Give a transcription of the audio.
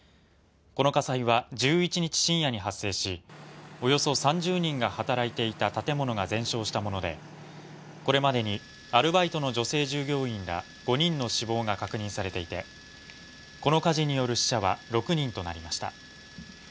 この火災は１１日深夜に発生しおよそ３０人が働いていた建物が全焼したものでこれまでにアルバイトの女性従業員ら５人の死亡が確認されていてこの火事による死者は６人となりました。